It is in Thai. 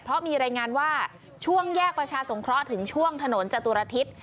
เพราะมีรายงานว่าช่วงแยกประชาสงเคราะห์ถึงช่วงถนนจตุรทิศ